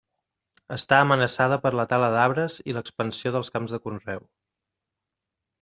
Està amenaçada per la tala d'arbres i l'expansió dels camps de conreu.